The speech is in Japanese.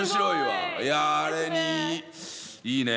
いやあれにいいね